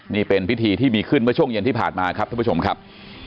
นี่เป็นพิธีที่มีขึ้นเมื่อช่วงเย็นที่ผ่านมาครับท่านผู้ชมครับ